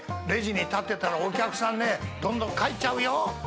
レジに立ってたらお客さんねどんどん帰っちゃうよ。